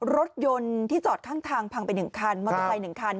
รถยนต์ที่จอดข้างทางพังไปนึงคันมาปาย๑คัน